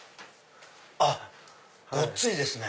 あっごついですね。